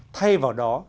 thay vào đó